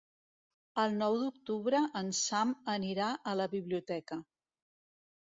El nou d'octubre en Sam anirà a la biblioteca.